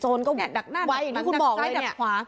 แต่โจรก็เนี่ยดักหน้าไว้อย่างที่คุณบอกเลยเนี่ยดักซ้ายดักขวา